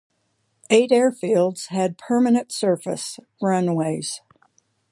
Eight airfields had permanent-surface runways.